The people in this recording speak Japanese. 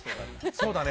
そうだね。